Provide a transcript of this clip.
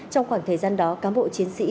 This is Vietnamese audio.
trong khoảng thời gian đó cán bộ chiến sĩ